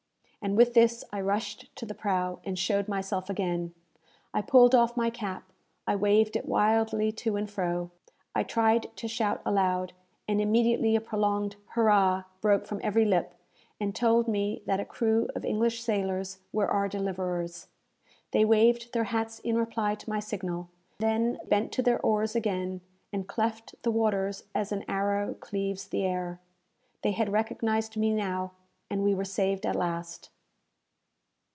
And with this I rushed to the prow, and showed myself again. I pulled off my cap I waved it wildly to and fro I tried to shout aloud, and immediately a prolonged "Hurrah!" broke from every lip, and told me that a crew of English sailors were our deliverers! They waved their hats in reply to my signal; then bent to their oars again, and cleft the waters as an arrow cleaves the air. They had recognized me now, and we were saved at last!